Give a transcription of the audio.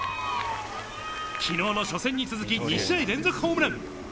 昨日の初戦に続き２試合連続ホームラン。